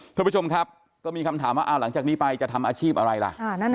คุณผู้ชมครับก็มีคำถามว่าหลังจากนี้ไปจะทำอาชีพอะไรล่ะ